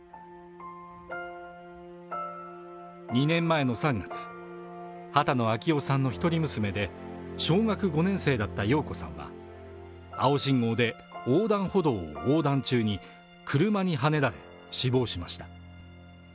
２年前の３月、波多野暁生さんの一人娘で小学５年生だった耀子さんは青信号で横断歩道を横断中に車にはねられ死亡しました。